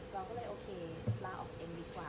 เราก็เลยโอเคลาออกเองดีกว่า